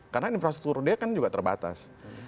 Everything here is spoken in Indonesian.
karena infrastruktur dia kan juga terbatas